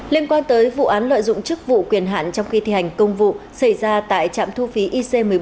liên quan tới vụ án lợi dụng chức vụ quyền hạn trong khi thi hành công vụ xảy ra tại trạm thu phí ic một mươi bốn